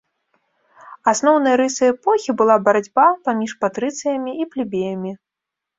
Асноўнай рысай эпохі была барацьба паміж патрыцыямі і плебеямі.